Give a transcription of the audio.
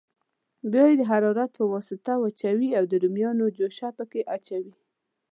بیا یې د حرارت په واسطه وچوي او د رومیانو جوشه پکې اچوي.